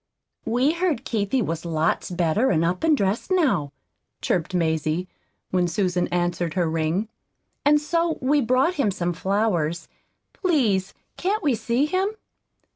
"We heard Keithie was lots better and up and dressed now," chirped Mazie, when Susan answered her ring; "and so we've brought him some flowers. Please can't we see him?"